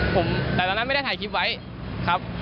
ผมแต่ตอนนั้นไม่ได้ถ่ายคลิปไว้ครับ